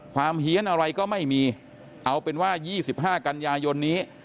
เฮียนอะไรก็ไม่มีเอาเป็นว่า๒๕กันยายนนี้